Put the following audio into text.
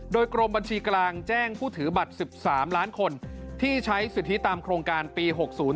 โดยกรมบัญชีกลางแจ้งผู้ถือบัตร๑๓ล้านคนที่ใช้สิทธิตามโครงการปี๖๐